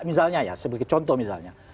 misalnya sebagai contoh misalnya